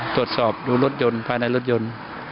ตรวจสอบดูรถยนต์ภายในรถยนต์